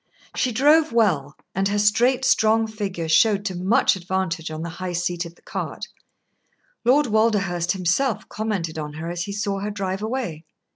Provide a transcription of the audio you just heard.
She drove well, and her straight, strong figure showed to much advantage on the high seat of the cart. Lord Walderhurst himself commented on her as he saw her drive away.